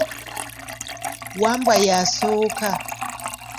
Wambwa y'asooka.